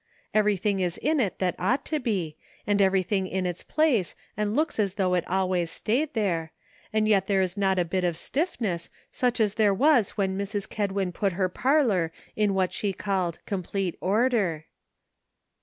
''Everything is in it that ought to be, and everything is in its place and looks as though it always staid there, and yet there is not a l>it of stiffness such as there was when Mrs. Ked win put her parlor in what she called ' complete order.'